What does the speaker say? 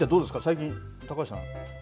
最近、高橋さん。